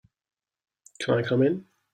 Can I come in?